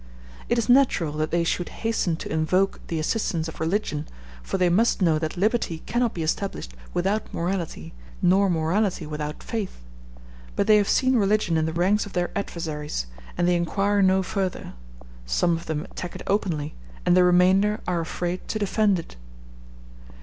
It is natural that they should hasten to invoke the assistance of religion, for they must know that liberty cannot be established without morality, nor morality without faith; but they have seen religion in the ranks of their adversaries, and they inquire no further; some of them attack it openly, and the remainder are afraid to defend it.